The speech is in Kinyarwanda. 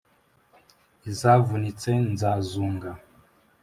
izavunitse nzazunga .